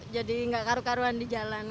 jadi nggak karuan karuan di jalan